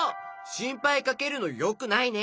しんぱいかけるのよくないね。